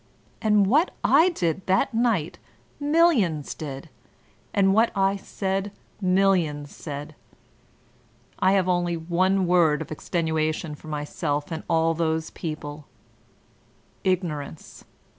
And what I did that night millions did, and what I said millions said. I have only one word of extenuation for myself and all those people — ^ignorance.